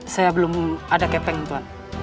saya belum ada kepeng tuhan